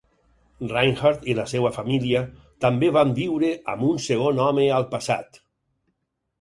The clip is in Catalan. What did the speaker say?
Reinhardt i la seva família també van viure amb un segon home al passat.